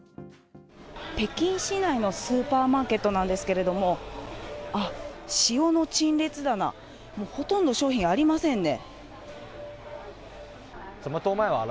北京市内のスーパーマーケットなんですけど、塩の陳列棚、もうほとんど商品ありませんね。